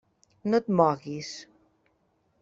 No et moguis!